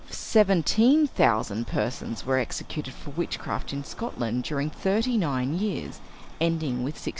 Seventeen thousand persons were executed for witchcraft in Scotland during thirty nine years, ending with 1603.